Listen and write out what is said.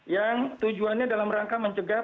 yang tujuannya dalam rangka mencegah